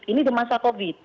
ini di masa covid